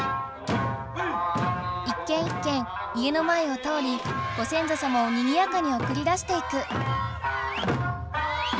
一けん一けん家の前を通りご先祖様をにぎやかにおくり出していく。